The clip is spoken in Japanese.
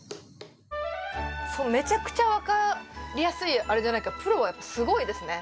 めちゃくちゃ分かりやすいあれじゃないからプロはやっぱすごいですね。